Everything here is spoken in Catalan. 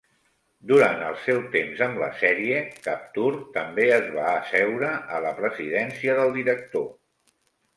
Durant el seu temps amb la sèrie, Kapture també es va asseure a la presidència del director.